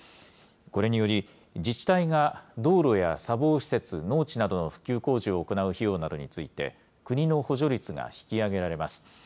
これにより、自治体が道路や砂防施設、農地などの復旧工事を行う費用などについて、国の補助率が引き上げられます。